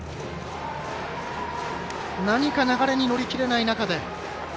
何か流れに乗りきれない中で。